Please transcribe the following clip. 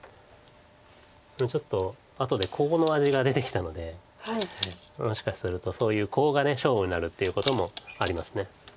ちょっと後でコウの味が出てきたのでもしかするとそういうコウが勝負になるっていうこともあります。